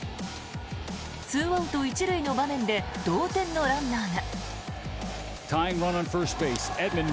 ２アウト１塁の場面で同点のランナーが。